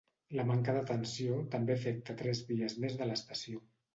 La manca de tensió també afecta tres vies més de l’estació.